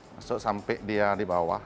masuk sampai dia di bawah